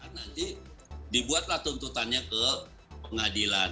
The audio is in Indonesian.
nanti dibuatlah tuntutannya ke pengadilan